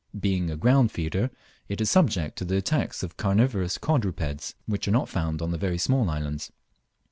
Being a ground feeder it is subject to the attacks of carnivorous quadrupeds, which are not found in the very small islands.